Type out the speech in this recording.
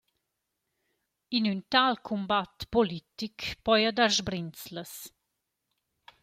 In ün tal cumbat politic poja dar sbrinzlas.